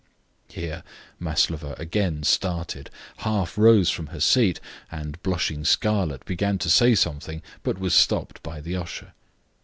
Here Maslova again started, half rose from her seat, and, blushing scarlet, began to say something, but was stopped by the usher.